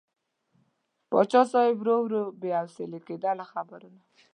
پاچا صاحب ورو ورو بې حوصلې کېده له خبرو نه.